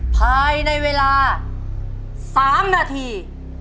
ภายในเวลา๓นาที